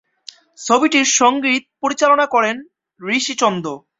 ছবিটির সংগীত পরিচালনা করেন ঋষি চন্দ।